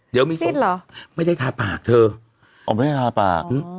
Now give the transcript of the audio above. เดี๋ยวมีชีวิตเหรอไม่ได้ทาปากเธออ๋อไม่ได้ทาปาก